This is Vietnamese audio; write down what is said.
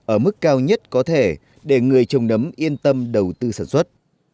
ở mức cao nhất có thể để người trồng nấm yên tâm đầu tư sản xuất